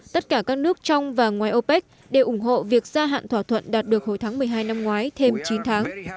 tất cả các nước trong và ngoài opec đều ủng hộ việc gia hạn thỏa thuận đạt được hồi tháng một mươi hai năm ngoái thêm chín tháng